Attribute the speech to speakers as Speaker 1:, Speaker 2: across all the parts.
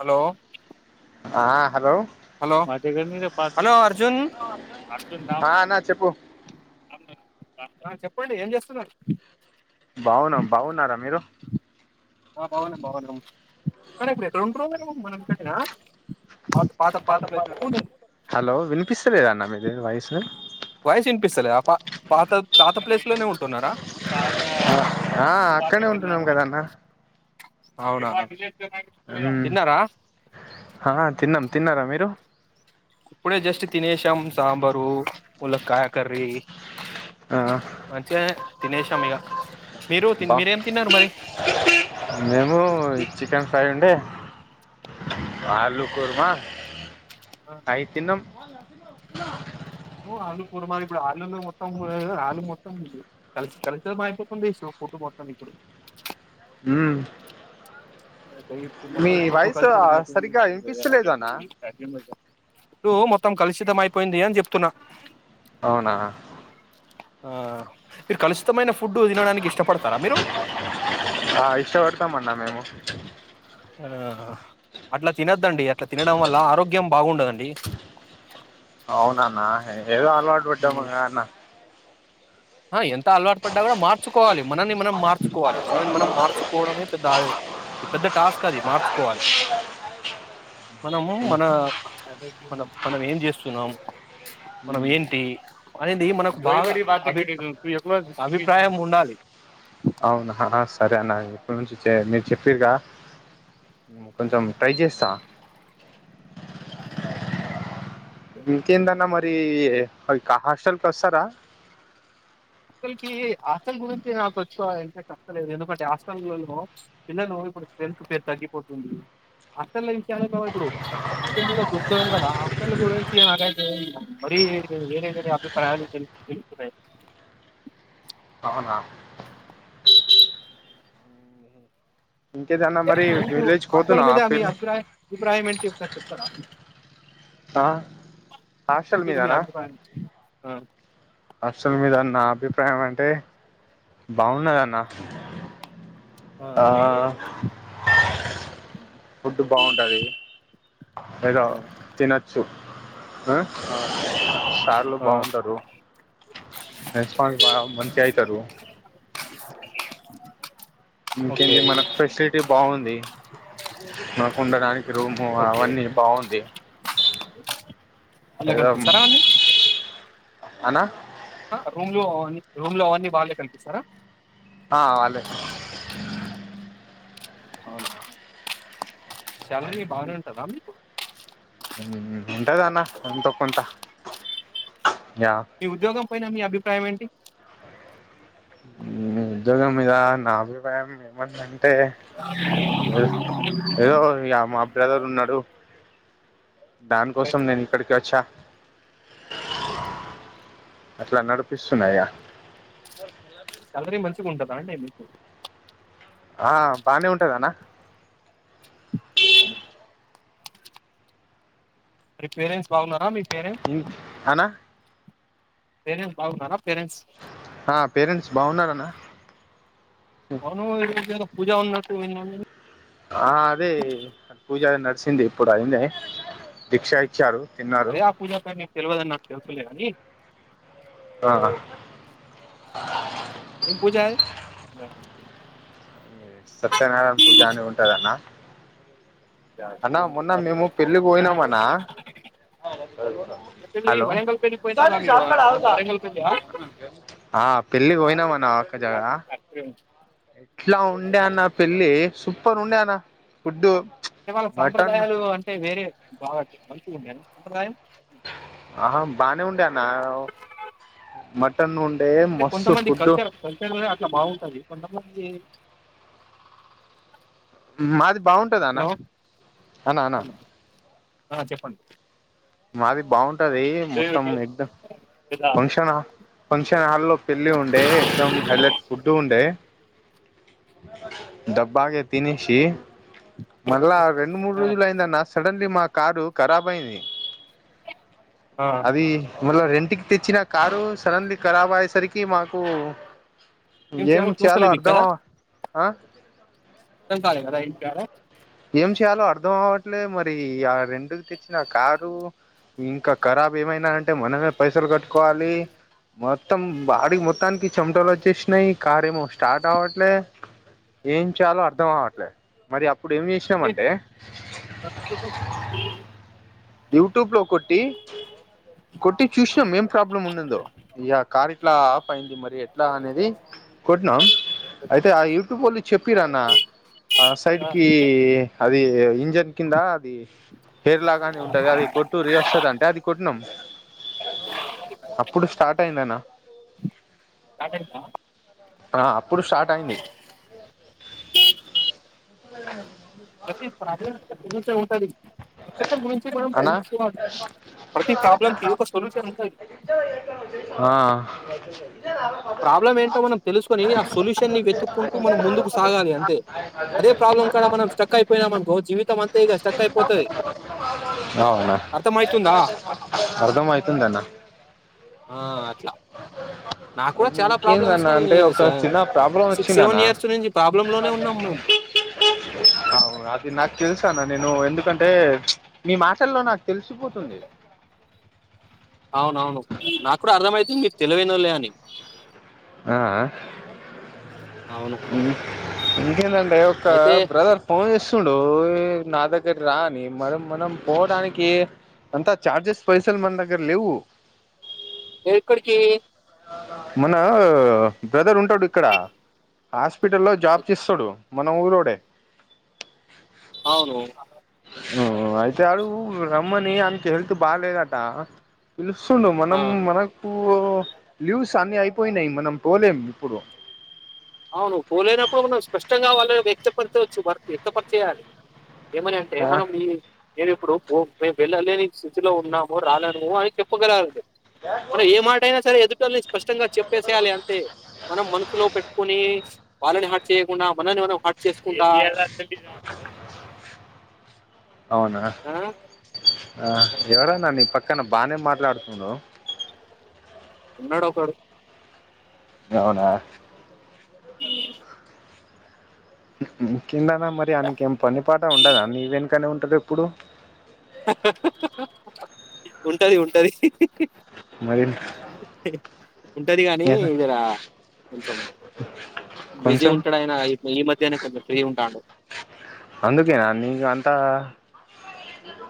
Speaker 1: Hello
Speaker 2: ఆ hello
Speaker 1: hello hello Arjun Arjun
Speaker 2: ఆ అన్న చెప్పు
Speaker 1: ఆ చెప్పండి ఏం చేస్తున్నారు
Speaker 2: బావున్నాం బావున్నారా మీరు
Speaker 1: ఆ బావున్నాము బావున్నాము కానీ రెండు రోజులు మనంటనా
Speaker 2: హలో వినిపిస్తలేద అన్న మీది వాయ్సు
Speaker 1: పిస్తలే పా పాత పాత ప్లేస్ లోనే ఉంటున్నారా
Speaker 2: ఆ అక్కనే ఉంటున్నాం కదా అన్న
Speaker 1: అవునా
Speaker 2: హుం
Speaker 1: తిన్నారా
Speaker 2: హా తిన్నం తిన్నారా మీరు
Speaker 1: ఇప్పుడే జస్ట్ తినేశాం సాంబారు ములక్ కా కర్రీ
Speaker 2: ఆ
Speaker 1: మంచిగానే తినేశాం ఇగా
Speaker 2: బా మేము చికెన్ ఫ్రై ఉండే అలూ కుర్మా ఐ తిన్నామ్
Speaker 1: నువ్ ఆలు కుర్మా ఇప్పుడు ఆళ్లులో మొత్తం [unintelligible] ఆలు మొత్తం [unintelligible]
Speaker 2: మ్మ్
Speaker 1: [inaudible] ఇప్పుడు
Speaker 2: సరిగ్గా వినిపిస్తలేదు అన్న
Speaker 1: మొత్తం కలుషితం అయిపోయింది అని చెప్తున్నా
Speaker 2: అవునా
Speaker 1: ఆ మీరు కలుషితమైన ఫుడ్ తినడానికి ఇష్టపడతారా మీరు
Speaker 2: ఆ ఇష్టపడతాం అన్న మేము
Speaker 1: ఆ అట్లా తినద్దండి ఇట్లా తినడం వల్ల ఆరోగ్యం బాగుండదండి
Speaker 2: అవునా నా హై ఏదో అలవాటు
Speaker 1: ఉమ్,
Speaker 2: పడ్డముగా అన్న
Speaker 1: ఆ ఎంత అలవాటు పడ్డా కూడా మార్చుకోవాలి మనల్ని మనం మార్చుకోవాలి మనల్ని మనంమార్చుకోవడమే పెద్ద పెద్ద టాస్క్ అది మార్చుకోవాలి మనం మన మన మనం ఏం చేస్తున్నాం మనం ఏంటి అనేది మనకు బాగ అభిప్రాయం ఉండాలి.
Speaker 2: చెప్పరిగా కొంచెం ట్రై చేస్తా బింకేందన్న మర్ తే అ హ హాస్టల్ కి వస్తార
Speaker 1: అసలకి ఆస్టల్ గురించి నాకు తెచ్చుకోవాలంటే అస్తలేదు ఎందుకంటే ఆస్టలల్లో పిల్లలు ఇప్పుడు స్త్రెంగ్త్ పేరు తగ్గిపోతుంది ఆస్టల్ల [unintelligible] ఇప్పుడు అర్జెంటుగా దొరుక్తదేమో కదా హాస్టళ్ళ గురించి నాకైతే మరీ [unintelligible] అభిప్రాయాలు తెలుస్ తెలుస్తున్నాయి.
Speaker 2: అవునా ఇంకేదన్నా మరి
Speaker 1: మీకు
Speaker 2: విలేజ్కి
Speaker 1: హాస్టల్
Speaker 2: వోతున్నా ఆ
Speaker 1: మీద మీ
Speaker 2: పెళ్
Speaker 1: అభిప్రాయం అభిప్రాయం ఏంటి చెప్త చెప్తారా
Speaker 2: ఆ హాస్టల్
Speaker 1: మీద మీ
Speaker 2: మీదనా
Speaker 1: అభిప్రాయం ఆ
Speaker 2: అసలు మీద నా అభిప్రాయం అంటే బాగున్నదన్న ఆ ఆ ఫుడ్డు బాగుంటది అద
Speaker 1: అవును
Speaker 2: తినచ్చు హ
Speaker 1: ఆ
Speaker 2: సార్లు
Speaker 1: ఆ
Speaker 2: బాగుంటారు రెస్పాన్స్ బాగ మంచిగ అయితరు
Speaker 1: ఓకే
Speaker 2: ఇంకేంటి మనకు ఫెసిలిటీ బాగుంది మనకు ఉండడానికి రూము
Speaker 1: ఓకే
Speaker 2: అవన్నీ బాగుంది
Speaker 1: అలా కలిపిస్తరా అన్ని
Speaker 2: అన్న
Speaker 1: రూమ్ లో రూమ్ లో అవన్నీ వాళ్ళే కల్పిస్తారా
Speaker 2: ఆ వాళ్ళే
Speaker 1: అవునా శాలరి బాగానే ఉంటద
Speaker 2: ఉ ఉంటదన్న ఎంతో కొంత యా
Speaker 1: మీ ఉద్యోగం పైన మీ అభిప్రాయం ఏంటి
Speaker 2: మ్మ్ ఉద్యోగం మీద నా అభిప్రాయం ఏముందంటే అంటే ఏదో ఇగ మా బ్రదర్ ఉన్నాడు దానికోసం నేను ఇక్కడికి వచ్చా అట్లా నడిపిస్తున్నా ఇగ
Speaker 1: సాలరీ మంచిగా ఉంటదా అంటే మీకు
Speaker 2: ఆ బానే ఉంటదన్న
Speaker 1: సరే మీ పేరెంట్స్ బాగున్నారా మీ పేరెంట్స్
Speaker 2: అన్న
Speaker 1: పేరెంట్స్ బాగున్నారా పేరెంట్స్
Speaker 2: ఆ పేరెంట్స్ బాగున్నారన్న
Speaker 1: అవును ఏడీకి పోయినవ్ పూజా ఉన్నాట్టు విన్న నిను
Speaker 2: ఆ అదే పూజ [inaudible] అయింది ఇప్పుడు అయింది దీక్ష ఇచ్చారు తిన్నారు
Speaker 1: అదే ఆ పూజా కాని తెల్వదన్నా
Speaker 2: ఆ
Speaker 1: ఏం పూజా అది
Speaker 2: సత్యనారాయణ పూజ అని ఉంటదన్న అన్న మొన్న
Speaker 1: అది
Speaker 2: మేము పెళ్లిి పోయినామన్నా
Speaker 1: పెళ్ళి
Speaker 2: హలో
Speaker 1: వరంగల్ పెళ్ళి పోయినావుగా మీరు అవును వరంగల్ పెళ్ళియా
Speaker 2: పెళ్ళి పోయినామన్నా ఒ జ ఎట్లా ఉండే అన్న
Speaker 1: అంటే
Speaker 2: పెళ్లి సుప్ సూపర్ ఉండే అనా ఫుడ్డు
Speaker 1: ఇవాళ్ళ సాంప్రదాయాలు అంటే వేరే బాగుట్ట మంచి ఉండేనా సంప్రదాయం
Speaker 2: ఆహా బానే ఉండే అన్న మ
Speaker 1: అంటే కొంతమంది కల్చర్ కల్చర్ లో అట్లా బాగుంటది కొంతమంది
Speaker 2: మాది బాగుంటద అనా
Speaker 1: హలో
Speaker 2: అనా అనా
Speaker 1: ఆ చెప్పండి
Speaker 2: మాది బాగుం ఉంటది మొత్తం ఎగ్ ఫంక్షన్ హల్ ఫంక్షన్ హాల్ లో పెళ్లి ఉండే ఏక్ దమ్ హైలెట్ ఫుడ్ ఉండే దబ్బాగా తినేసి మళ్ళా రెండు మూడు రోజులు అయిందన్న సడన్లీ మాకు కారు ఖరాబు అయింది
Speaker 1: ఆ
Speaker 2: అది మళ రెంట్ ఇంటికి తెచ్చిన కారు సడన్లీ ఖరాబ్ అయ్యేసరికి మాకు
Speaker 1: ఎం
Speaker 2: ఏం
Speaker 1: చెయ్యాలో
Speaker 2: చేయాలో
Speaker 1: తోస్తలేదు మీకు
Speaker 2: అర్ధం
Speaker 1: కదా
Speaker 2: ఆ
Speaker 1: [unintelligible] కార
Speaker 2: ఏం చేయాలో అర్థం అవ్వట్లే మరి ఆ రెండుకి తెచ్చిన కారు ఇంకా ఖరాబ్ ఏమైనా అంటే మనమే పైసలు కట్టుకోవాలి మొత్తం బాడి మొత్తానికి చెమటలు వచ్చేసినాయి కార్ ఏమో స్టార్ట్ అవ్వట్లే ఏం చేయాలో అర్థం అవట్లేదు మరి అప్ ఇప్పుడు ఏం చేసినమంటే యూట్యూబ్ లో కొట్టి కొట్టి చూసినాం ఏం ప్రాబ్లం ఉన్నందో ఇక కార్ ఇట్లా ఆఫ్ అయింది మరి ఎట్లా అనేది కొట్టినాం అయితే ఆ యూట్యూబోళ్లు చెప్పిరన్న ఆ సైడ్ కీ అది ఇంజన్ కింద అది హెర్లాగానే ఉంటది అది కొట్టురి వస్తుంది అంటే అది కొట్టినం అప్పుడు స్టార్ట్ అయిందనా ఆ అప్పుడు స్టార్ట్ అయింది
Speaker 1: ప్ర [unintelligible] [inaudible]
Speaker 2: అనా
Speaker 1: ప్రతి ప్రాబ్లం కి ఒక సొల్యూషన్ ఉంటది
Speaker 2: ఆ
Speaker 1: ఆ ప్రాబ్లం ఏంటో మనం తెలుసుకుొని ఆ సొల్యూషన్ ని వెతుకుంటూ మనం ముందుకు సాగాలి అంతే అదే ప్రాబ్లం కూడా మనం స్ట్రక్ అయిపోయినాంనుకో జీవితం అంతే ఇగ స్టక్ అయిపోతది
Speaker 2: అవునా
Speaker 1: అర్థమయితుందా
Speaker 2: అర్ధం అవుతుందన్న
Speaker 1: ఆ అట్లా నాకు కూడా చాలా ప్రాబ్లమ్స్
Speaker 2: అంటే ఒక
Speaker 1: స
Speaker 2: చిన్న ప్రాబ్లం
Speaker 1: సిక్స్
Speaker 2: వచ్చిందన్న
Speaker 1: సెవెన్ ఇయర్స్ నుంచి ప్రాబ్లమ్ లోనే ఉన్నాము మేము
Speaker 2: అవును అది నాకు తెలుసన్న నేను ఎందుకంటే మీ మాటల్లో నాకు తెలిసిపోతుంది
Speaker 1: అవునవును నాక్కూడా అర్థమయితుంది మీరు తెలివైనోలే అని
Speaker 2: ఆ ఆ
Speaker 1: అవును.
Speaker 2: ఉ ఇంకేంధన మీ యొక్క
Speaker 1: అయితే
Speaker 2: బ్రదర్ ఫోన్ చేస్ చ చడు నా దగ్గర రాని మనం మనం పోవడానికి అంత చార్జెస్ పైసలు మన దగ్గర లేవు
Speaker 1: ఏక్కడికి
Speaker 2: మనా ఆ బ్రదర్ ఉంటాడు ఇక్కడ హస్ స్పిటల్లో జాబ్ చేస్తడు మన ఊరోడే
Speaker 1: అవును
Speaker 2: అయితే అడుగు రమ్మని అంత హెల్త్ బాలేదంట పిలుస్తుండు
Speaker 1: ఆ!
Speaker 2: మనం మన మ్మ్ ఓ లీవ్స్ అన్నీ అయిపోయినాయి మనం పోలేం ఇప్పుడు
Speaker 1: అవును పోలేనప్పుడు మన స్పష్టంగా వాళ్ళు వ్యక్తపరిచవచ్చు వ్యక్తపరిచేయాలి ఏమని అంటే మనం ఈ నేను ఇప్పుడు మేము వెళ్ళలేని స్థితిలో ఉన్నాము రాలేనుము అని చె ఉప్పుగరాంది మనం ఏ మాట అయినా సరే ఎదుటల్ని స్పష్టంగా చెప్పేసేయాలి అంతే మనం మనసులో పెట్ తే వాళ్ళని హాట్ చేయకుండా మనల్ని మనం హాట్ చేసుకుంటా
Speaker 2: అవునా
Speaker 1: ఆ!
Speaker 2: ఆ ఎవరన్న నీ పక్క అక్క నవ్వు బానే మాట్లాడుతున్నవ్
Speaker 1: ఉన్నాడు ఒకడు
Speaker 2: అవునా కిందనా మరి ఆయనకేం పని పాట ఉండదా నీ వెనకనే ఉంటాడు ఎప్పుడు
Speaker 1: ఉంటది ఉంటది
Speaker 2: మరి
Speaker 1: ఉంటడు గాని జర కొంచెం బిజీ
Speaker 2: కొంచెం
Speaker 1: ఉంటడాయిన ఈ మధ్యనే కొమచెం ఫ్రీ ఉంటాడు
Speaker 2: అందుకేనా నీకు అంతా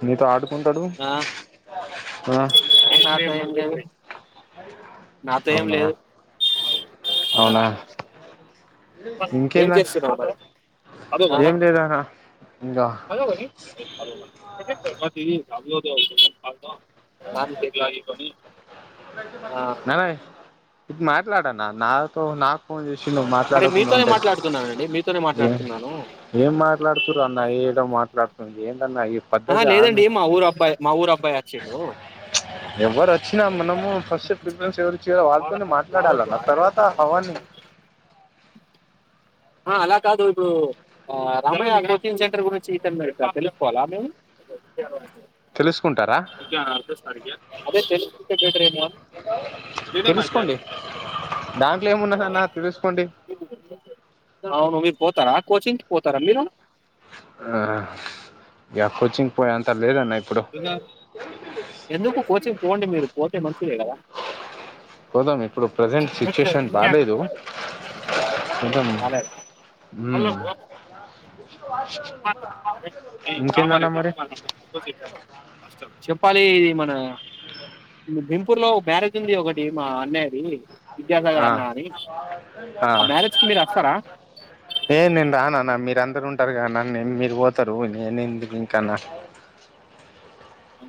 Speaker 2: నీతో ఆడు
Speaker 1: ఆ ఏంది నాతో ఏం
Speaker 2: అవునా
Speaker 1: లేదు ఏం
Speaker 2: ఇంకేందనా
Speaker 1: చేస్తున్నావు
Speaker 2: ఏం
Speaker 1: మరి
Speaker 2: లేదన్న ఇంకా
Speaker 1: [unintelligible] ఆ
Speaker 2: [unintelligible] ట్లాడన్నా నాతో నాకు ఫోన్ జేసీ
Speaker 1: మరీ మీతోనే మాట్లాడుతున్నానండి మీతోనే మాట్లాడుతున్నాను
Speaker 2: ఏం మాట్లాడుతురు అన్న ఏదో మాట్లాడుతుంది ఏంటన్నా ఈ
Speaker 1: ఆహా
Speaker 2: పద్ధతి అన్న
Speaker 1: లేదండి మా ఊరు అబ్బాయి మా ఊరు అబ్బాయి వచ్చిండు
Speaker 2: ఎవరు వచ్చినా మనము ఫస్ట్ ప్రిఫరెన్స్ ఎవరిచ్చారు వాళ్ళతోనే మాట్లాడాలన్న తర్వాత అవ్వన్నీ
Speaker 1: ఆ అలాకాదు అది ఇ ఆ రమయ్య కోచింగ్ సెంటర్ గురించి మేము తెలుసుకోవాల మేము అద
Speaker 2: తెలుసుకుంటారా
Speaker 1: అడ్ర్రేస్ అడిగి అదే తెలుగైతే బెటరేమో అని
Speaker 2: తెలుసుకోండి దాంట్లో ఏమున్నదన్న తెలుసుకోండి
Speaker 1: [unintelligible] అవును మీరు పోతారా కోచింగ్ కి పోతారా మీరు
Speaker 2: ఆ యా కోచింగ్ పొయ్యే అంత లేదు అన్న ఇప్పు
Speaker 1: [unintelligible] ఎందుకు కోచింగ్ పోండి మీరు పోతే మంచిదే కదా
Speaker 2: పోదాం ఇప్పుడు ప్రెసెంట్ సిచ్యుయేషన్ బాలేేదు ఇంకేం
Speaker 1: రాలేదా హలో
Speaker 2: హు
Speaker 1: బ్రో
Speaker 2: ఇంకేందన్న మరి
Speaker 1: చెప్పాలీ మన భీంపూర్ లో బేరతుంది ఒకటి మా అనేది విద్యాసాగర్
Speaker 2: ఆ
Speaker 1: అన్న అని
Speaker 2: ఆ
Speaker 1: మా మ్యారేజ్ కి మీరు వస్తారా
Speaker 2: మీరందరూ ఉంటారు గా అన్నా నేను మీరు పోతారు నేను ఎందుకు ఇంకాన్న
Speaker 1: హు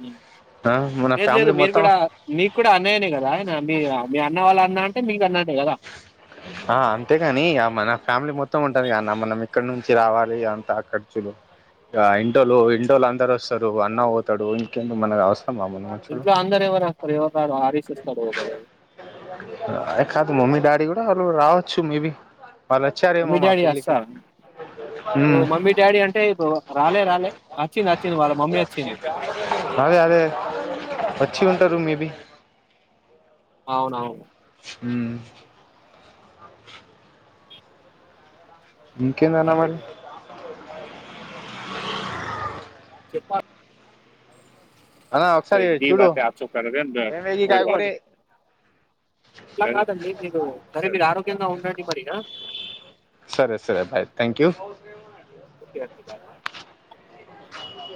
Speaker 1: లేదు లేదు
Speaker 2: ఫ్యామిలీ
Speaker 1: మీరు
Speaker 2: మొత్తం
Speaker 1: కూడా మీకు కూడా అన్నయ్యనే కదా ఆయన మీ మీ అన్న వాళ్ళ ఉన్నా అంటే మీ కన్నా
Speaker 2: ఆ అంతేగాని అ మన ఫ్యామిలీ మొత్తం మొత్తం ఉంటాది కా అన్నా మనం ఇక్కడ నుంచి రావాలి అంత ఖర్చులు ఇడా ఇంటోళ్లు ఇంటోళ్లు అందరు వస్తారు అన్న పోతాడు ఇంకెందుకు మన అవాసర
Speaker 1: ఇంట్లో అందరు ఎవరుస్తారు ఎవరు రారు హరిష్ వస్తాడు ఒకడు
Speaker 2: ఆ కాదు మమ్మీ డాడి కూడా వాళ్ళు రావచ్చు మేబి వాళ్ళు వచ్చారేమో
Speaker 1: మమ్మీ
Speaker 2: మా
Speaker 1: డాడీ వస్తా
Speaker 2: పెళ్ళికి మ్మ్
Speaker 1: మమ్మీ డాడీ అంటే ఇప్పు రాలే రాలే అచ్చింది అచ్చి
Speaker 2: అదే అదే వచ్చి త రూమ్ మీది
Speaker 1: అవునవును
Speaker 2: హమ్ ఇంకెందన్న మరి
Speaker 1: పా
Speaker 2: అన్నా ఒకసారి
Speaker 1: దీ
Speaker 2: చూడు
Speaker 1: వాతే ఆచో క
Speaker 2: ఏం వేగి కాయగూరి
Speaker 1: అట్లా కాదండి మీరు సరే మీరు ఆరోగ్యంగా ఉండండి మరినా
Speaker 2: సరే సరే బాయ్ థ్యాంక్ యూ
Speaker 1: ఓకే అండి.